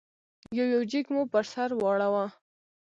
یو یو جېک مو پر سر واړاوه.